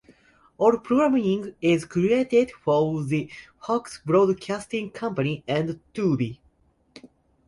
All programming is created for the Fox Broadcasting Company and Tubi.